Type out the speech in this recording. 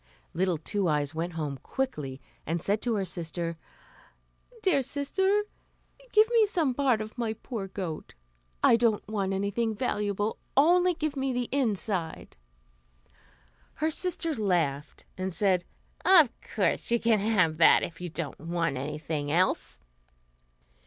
Little Two Eyes went home quickly, and said to her sister, "Dear sister, give me some part of my poor goat. I don't want anything valuable; only give me the inside." Her sister laughed, and said, "Of course you can have that, if you don't want anything else."